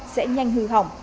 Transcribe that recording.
sẽ nhanh hư hỏng